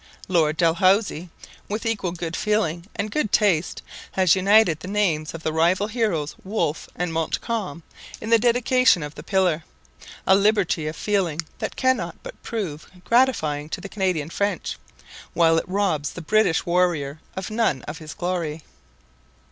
Lord Dalhousie, with equal good feeling and good taste, has united the names of the rival heroes Wolfe and Montcalm in the dedication of the pillar a liberality of feeling that cannot but prove gratifying to the Canadian French, while it robs the British warrior of none of his glory.